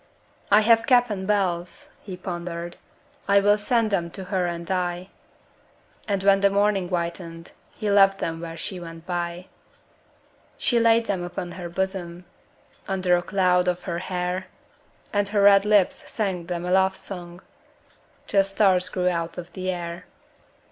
'I have cap and bells,' he pondered, 'I will send them to her and die'; And when the morning whitened He left them where she went by. She laid them upon her bosom, Under a cloud of her hair, And her red lips sang them a love song Till stars grew out of the air.